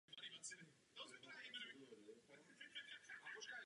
Zbavení osobní svobody v sobě nese objektivní a subjektivní prvek.